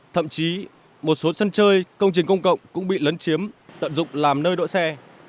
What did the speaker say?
thậm chí một số sân chơi công trình công cộng cũng bị lấn chiếm tận dụng làm nơi đỗ xe